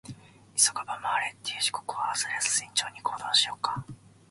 「急がば回れ」って言うし、ここは焦らず慎重に行動しようか。